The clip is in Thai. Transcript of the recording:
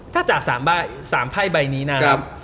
ถ้าจาก๓ไพ่ใบนี้นะครับ